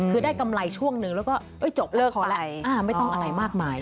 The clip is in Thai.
คือได้กำไรช่วงนึงแล้วก็จบเลิกพอแล้วไม่ต้องอะไรมากมาย